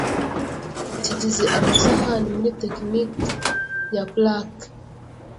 kigize amasahani muri tectoniki ya plaque